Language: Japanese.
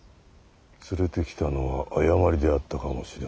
連れてきたのは誤りであったかもしれません。